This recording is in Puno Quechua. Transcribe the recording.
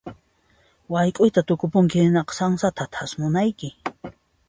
Wayk'uyta tukupunki hinaqa sansata thasnunayki.